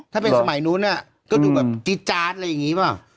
ถ้าเป็นสมัยนู้นน่ะก็ดูแบบจิ๊ดจ๊าดอะไรอย่างเงี้ยเหรอ